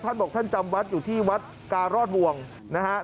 ท่านบอกท่านจำวัดอยู่ที่วัดการอดวงนะฮะ